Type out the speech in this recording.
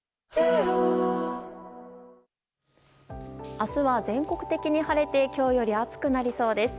明日は全国的に晴れて今日より暑くなりそうです。